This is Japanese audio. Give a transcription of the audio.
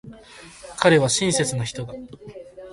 彼は親切な人だ。